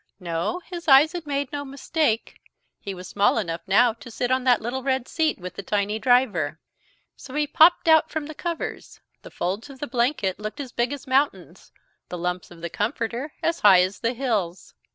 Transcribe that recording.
No, his eyes had made no mistake. He was small enough now to sit on that little red seat with the tiny driver. So he popped out from the covers. The folds of the blanket looked as big as mountains, the lumps of the comforter as high as the hills.